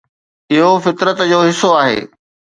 اهو فطرت جو حصو آهي